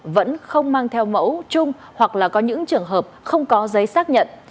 vẫn không mang theo mẫu chung hoặc là có những trường hợp không có giấy xác nhận